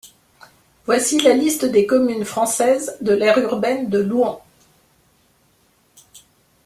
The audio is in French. Voici la liste des communes françaises de l'aire urbaine de Louhans.